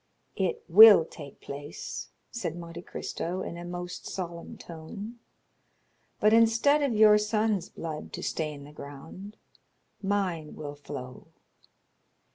"It will take place," said Monte Cristo, in a most solemn tone; "but instead of your son's blood to stain the ground, mine will flow."